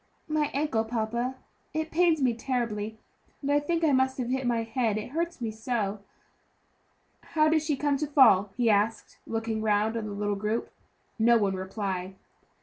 "My ankle, papa; it pains me terribly; and I think I must have hit my head, it hurts me so." "How did she come to fall?" he asked, looking round upon the little group. No one replied.